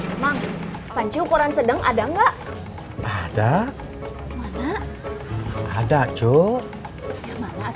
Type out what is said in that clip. emang panci ukuran sedang ada nggak ada mana ada cuy ya mana tuh kalau ada